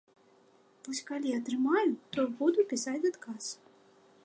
Вось калі атрымаю, то буду пісаць адказ.